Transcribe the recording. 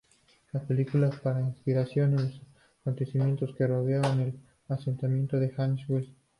La película está inspirada en los acontecimientos que rodearon el asesinato de Ahmet Yıldız.